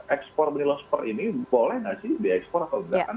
ekspor benilo super ini boleh gak sih di ekspor atau beneran